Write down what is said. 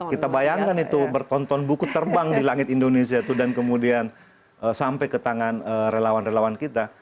kita bayangkan itu bertonton buku terbang di langit indonesia itu dan kemudian sampai ke tangan relawan relawan kita